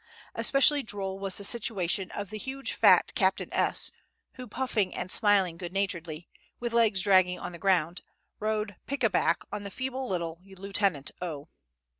Especially droll was the situation of the huge fat Captain S., who, puffing and smiling good naturedly, with legs dragging on the ground, rode pickaback on the feeble little Lieutenant O.